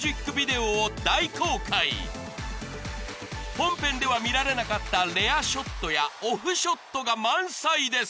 本編では見られなかったレアショットやオフショットが満載です！